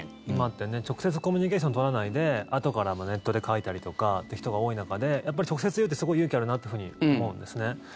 今って直接コミュニケーション取らないであとからネットで書いたりとかって人が多い中でやっぱり直接言うってすごい勇気あるなというふうに思うんですね。